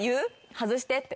外してって。